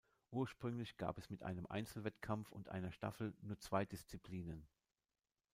Ursprünglich gab es mit einem Einzelwettkampf und einer Staffel nur zwei Disziplinen.